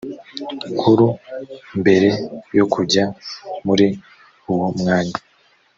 nkuru mbere yo kujya muri uwo mwanya